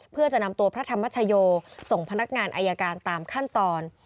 เพื่อจะนำตัวพระธรรมชโยส่งพนักงานอายการตามขั้นตอน